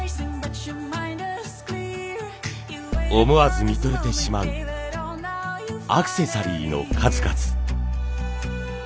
思わず見とれてしまうアクセサリーの数々。